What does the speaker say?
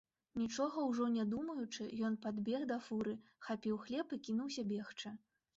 Нічога ўжо не думаючы, ён падбег да фуры, хапіў хлеб і кінуўся бегчы.